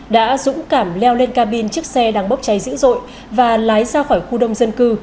đã dũng cảm leo lên cabin chiếc xe đang bốc cháy dữ dội và lái ra khỏi khu đông dân cư